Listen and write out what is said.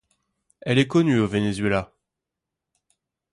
Elle est connue au Venezuela.